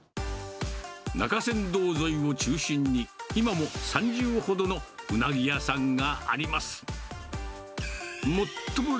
中山道沿いを中心に、今も３０ほどのウナギ屋さんがあります。